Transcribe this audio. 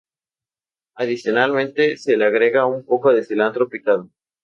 Adicionalmente se le agrega un poco de cilantro picado.